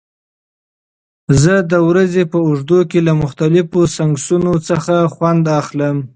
زه د ورځې په اوږدو کې له مختلفو سنکسونو څخه خوند اخلم.